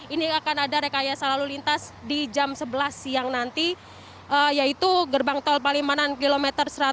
ini akan ada rekaya selalu lintas di jam sebelas siang nanti yaitu gerbang tol palimanan km satu ratus delapan puluh delapan